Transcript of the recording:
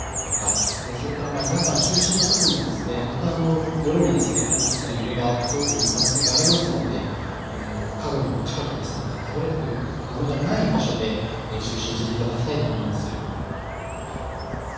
それから夜間、就寝のときにはまた夜に大きな揺れが襲うという可能性もありますので家具の近く近くですとか倒れているものがない場所で就寝していただきたいと思います。